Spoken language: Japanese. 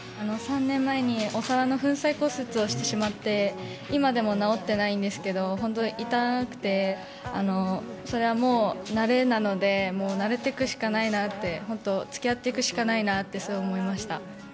３年前にお皿の粉砕骨折をしてしまって、今でも治ってないんですけど、本当に痛くて、それはもう慣れなので、もう慣れてくしかないなって、本当、つきあっていくしかないなって、すごい思いました。